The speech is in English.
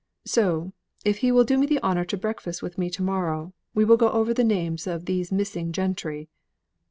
So, if he will do me the honour to breakfast with me to morrow, we will go over the names of these missing gentry."